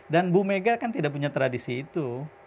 bu mega kan tidak punya tradisi itu